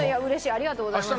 ありがとうございます。